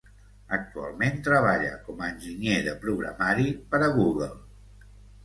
Actualment treballa com a enginyer de programari per a Google.